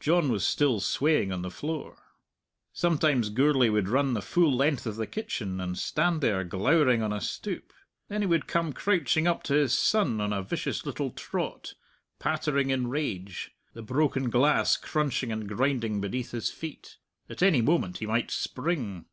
John was still swaying on the floor. Sometimes Gourlay would run the full length of the kitchen, and stand there glowering on a stoop; then he would come crouching up to his son on a vicious little trot, pattering in rage, the broken glass crunching and grinding beneath his feet. At any moment he might spring.